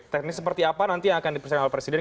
teknis seperti apa nanti yang akan diperiksa oleh presiden